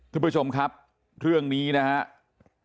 คุณผู้ชมครับเรื่องนี้นะครับ